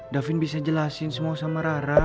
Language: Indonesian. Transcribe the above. davin bisa jelasin semua sama rara